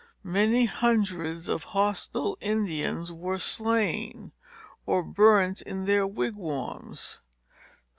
Many hundreds of the hostile Indians were slain, or burnt in their wigwams.